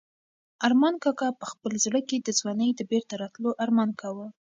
ارمان کاکا په خپل زړه کې د ځوانۍ د بېرته راتلو ارمان کاوه.